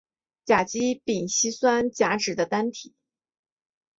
甲基丙烯酸甲酯的单体。